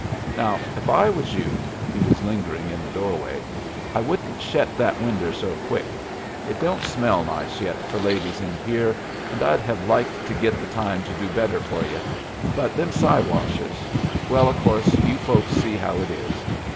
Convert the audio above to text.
Now if I was you" (he was lingering in the doorway) "I wouldn't shet that winder so quick. It don't smell nice yet for ladies in here, and I'd hev liked to git the time to do better for ye; but them Siwashes well, of course, you folks see how it is.